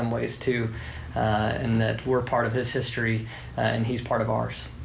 และเขาเป็นหนึ่งของเรา